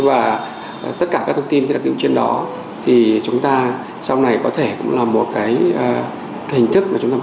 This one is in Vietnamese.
và tất cả các thông tin trên đó thì chúng ta sau này có thể cũng là một cái hình thức mà chúng ta